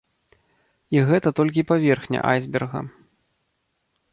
І гэта толькі паверхня айсберга.